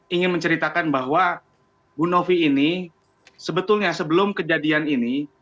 ingin menceritakan bahwa bu novi ini sebetulnya sebelum kejadian ini